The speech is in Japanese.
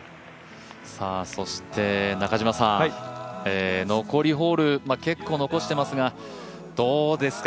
そして残りホール結構残してますがどうですか？